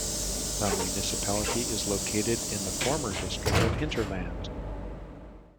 The municipality is located in the former District of Hinterland.